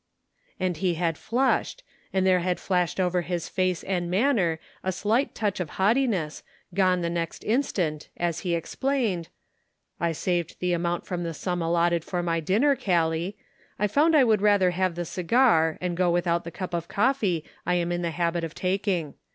And he had flushed, and there had flashed over his face and manner a slight touch of haughtiness, gone the next instant, as he ex plained : "I saved the amount from the sum allotted for my dinner, Gallic. I found I would rather have the cigar, and go without the cup of coffee I am in the habit of taking.